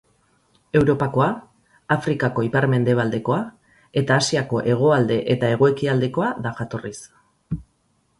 Europakoa, Afrikako ipar-mendebaldekoa, eta Asiako hegoalde eta hego-ekialdekoa da jatorriz.